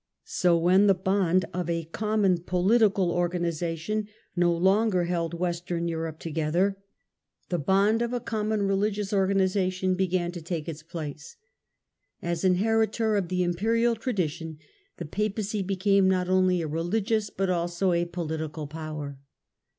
So when the bond of a common political organisation no longer held Western Europe together, the bond INTRODUCTION 6 »f a coEQQion religious organisation began to take its >lace. As inheritor of the Imperial tradition, the Papacy became not only a religious but also a political x>wer.